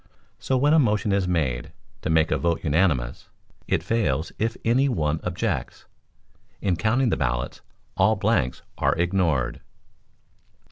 So when a motion is made to make a vote unanimous, it fails if any one objects. In counting the ballots all blanks are ignored.